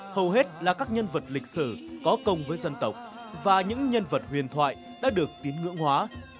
hầu hết là các nhân vật lịch sử có công với dân tộc và những nhân vật huyền thoại đã được tín ngưỡng hóa